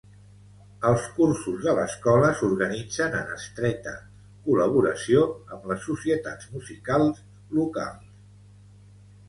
Els cursos de l'escola s'organitzen en estreta col·laboració amb les societats musicals locals.